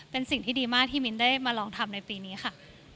เป็นสิ่งที่ดีมากที่มิ้นได้มาลองทำในปีนี้ค่ะ